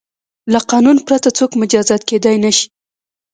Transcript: له قانون پرته څوک مجازات کیدای نه شي.